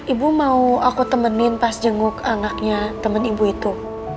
ibu mau aku temenin pas jenguk anaknya temen ibu itu